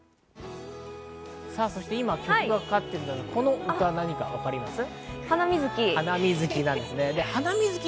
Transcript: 今、曲がかかっているのが、この歌、何かわかりますか？